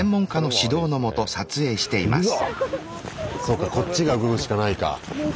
そうかこっちが動くしかないか。